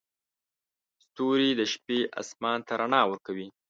ستوري د شپې اسمان ته رڼا ورکوي.